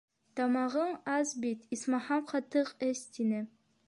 — Тамағың ас бит, исмаһам, ҡатыҡ эс, — тине.